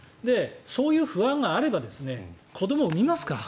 そういう不安があれば子ども、産みますか？